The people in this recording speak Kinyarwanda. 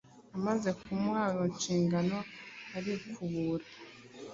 Amaze kumuha izo nshingano arikubura,